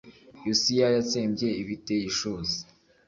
yosiya yatsembye ibiteye ishozi